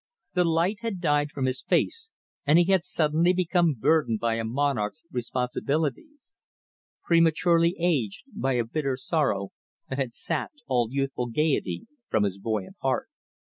The light had died from his face, and he had suddenly become burdened by a monarch's responsibilities; prematurely aged by a bitter sorrow that had sapped all youthful gaiety from his buoyant heart.